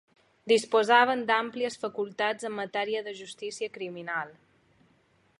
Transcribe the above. Disposaven d'àmplies facultats en matèria de justícia criminal.